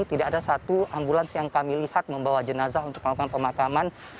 tidak ada satu ambulans yang kami lihat membawa jenazah untuk melakukan pemakaman